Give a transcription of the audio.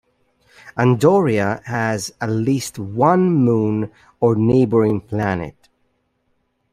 Andoria has at least one moon or neighboring planet.